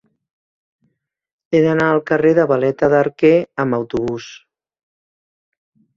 He d'anar al carrer de Valeta d'Arquer amb autobús.